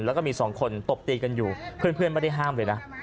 แล้วก็มีสองคนตบตีกันอยู่เพื่อนไม่ได้ห้ามเลยนะ